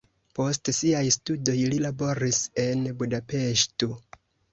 Post siaj studoj li laboris en Budapeŝto.